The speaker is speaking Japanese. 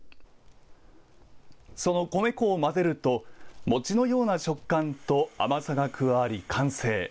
その米粉を混ぜると餅のような食感と甘さが加わり完成。